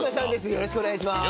よろしくお願いします。